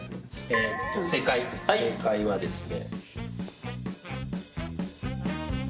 正解正解はですね。